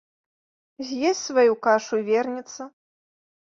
З есць сваю кашу і вернецца.